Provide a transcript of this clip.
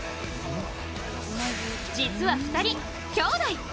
実は２人、兄弟。